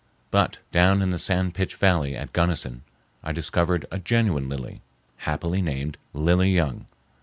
But down in the San Pitch Valley at Gunnison, I discovered a genuine lily, happily named Lily Young.